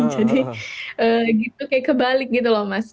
jadi gitu kayak kebalik gitu loh mas